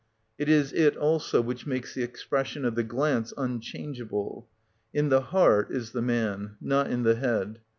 It is it also which makes the expression of the glance unchangeable. In the heart is the man, not in the head.